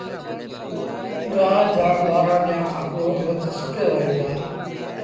ڏآه جآݩ ٻآهرآݩ ڏيݩهآݩ کآݩ پو مرچ سُڪي وهيݩ دآ